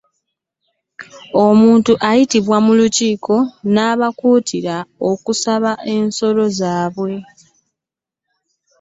Omuntu bayitiddwa mu lukiiko nebakutirwa okusiba ensolo zaabwe.